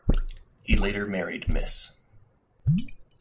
He later married Miss.